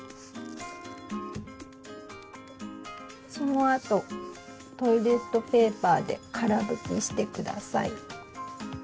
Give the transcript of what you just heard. そのあとトイレットペーパーでから拭きして下さい。